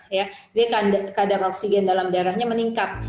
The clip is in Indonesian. jadi kadar oksigen dalam darahnya meningkat